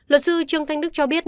luật sư trương thanh đức cho biết